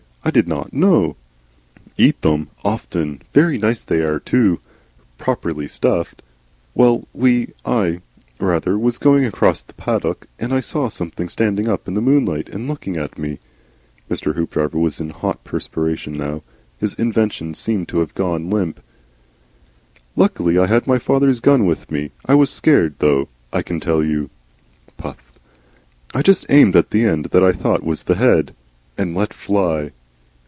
I did not know " "Eat them! often. Very nice they ARE too, properly stuffed. Well, we I, rather was going across this paddock, and I saw something standing up in the moonlight and looking at me." Mr. Hoopdriver was in a hot perspiration now. His invention seemed to have gone limp. "Luckily I had my father's gun with me. I was scared, though, I can tell you. (Puff.) I just aimed at the end that I thought was the head. And let fly.